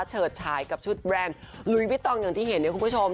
เฉิดฉายกับชุดแบรนด์ลุยวิตองอย่างที่เห็นเนี่ยคุณผู้ชม